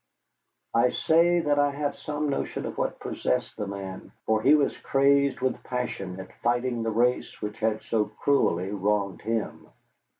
I say that I have some notion of what possessed the man, for he was crazed with passion at fighting the race which had so cruelly wronged him.